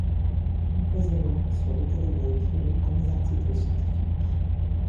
Empoisonnement sur lequel il a écrit les premiers articles scientifiques.